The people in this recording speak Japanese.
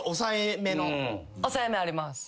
抑えめあります。